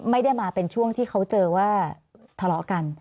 ไม่ได้มาเป็นช่วงที่เขาเจอว่าทะเลาะกัน